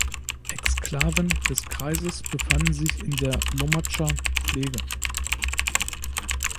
Exklaven des Kreises befanden sich in der Lommatzscher Pflege.